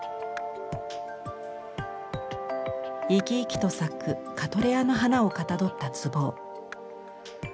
生き生きと咲くカトレアの花をかたどった壺。